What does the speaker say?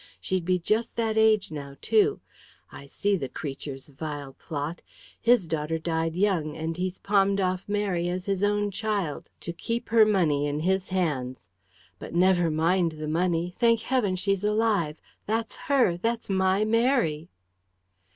She'd be just that age now, too. I see the creature's vile plot. His daughter died young, and he's palmed off my Mary as his own child, to keep her money in his hands. But never mind the money. Thank Heaven, she's alive! That's her! That's my Mary!"